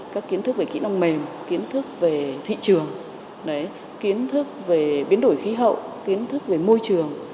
các kiến thức về kỹ năng mềm kiến thức về thị trường kiến thức về biến đổi khí hậu kiến thức về môi trường